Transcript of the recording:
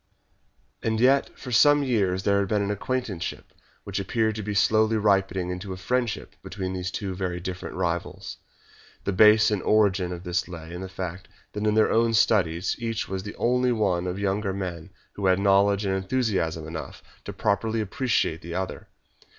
And yet for some years there had been an acquaintanceship which appeared to be slowly ripening into a friendship between these two very different rivals. The base and origin of this lay in the fact that in their own studies each was the only one of the younger men who had knowledge and enthusiasm enough to properly appreciate the other.